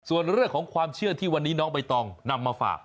ส่วนเรื่องของความเชื่อที่วันนี้น้องใบตองนำมาฝาก